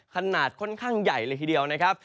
ขนาดค่อนข้างใหญ่เลยทีเดียวนะครับ